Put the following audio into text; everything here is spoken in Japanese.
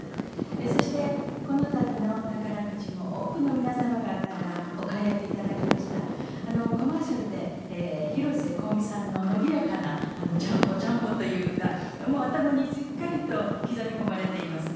そして、このたびの宝くじも多くの皆さん方がお買い上げいただきましてコマーシャルで広瀬香美さんの伸びやかなジャンボ、ジャンボという歌頭にしっかりと刻み込まれていますね。